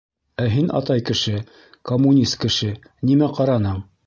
Ә һин, атай кеше, коммунист кеше, нимә ҡараның?